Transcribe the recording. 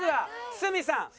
鷲見さん。